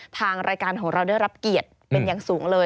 ทางรายการของเราได้รับเกียรติเป็นอย่างสูงเลย